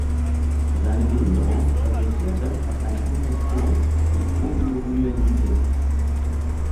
Seine Behinderung resultierte aus einer Infektion mit Poliomyelitis.